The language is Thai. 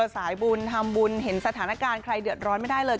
สายบุญทำบุญเห็นสถานการณ์ใครเดือดร้อนไม่ได้เลย